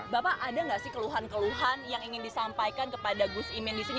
bapak ada nggak sih keluhan keluhan yang ingin disampaikan kepada gus imin di sini